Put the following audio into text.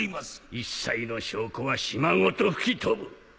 一切の証拠は島ごと吹き飛ぶ！